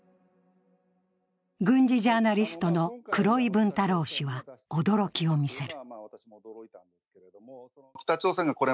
軍事ジャーナリストの黒井文太郎氏は驚きを見せる。